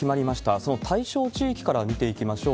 その対象地域から見ていきましょう。